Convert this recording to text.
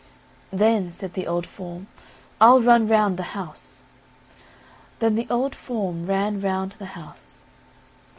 "Then," said the old form, "I'll run round the house;" then the old form ran round the house.